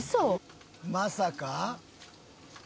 まさか」